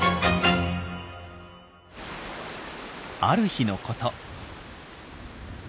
ある日のこと。